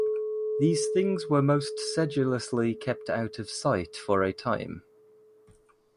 These things were most sedulously kept out of sight for a time.